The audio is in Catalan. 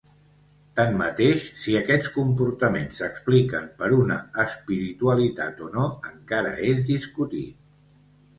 Tanmateix, si aquests comportaments s'expliquen per una espiritualitat o no encara és discutit.